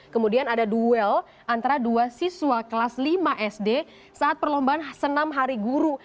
kemudian ada duel antara dua siswa kelas lima sd saat perlombaan senam hari guru